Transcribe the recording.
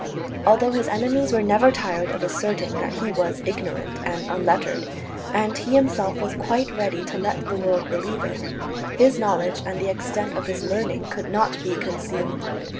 Although his enemies were never tired of asserting that he was ignorant and unlettered, and he himself was quite ready to let the world believe it, his knowledge and the extent of his learning could not be concealed.